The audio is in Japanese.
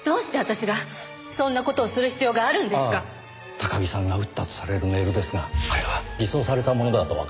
高木さんが打ったとされるメールですがあれは偽装されたものだとわかりました。